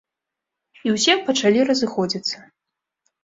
І ўсе пачалі разыходзіцца.